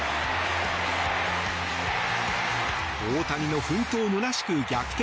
大谷の奮闘空しく逆転